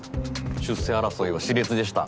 出世争いはしれつでした。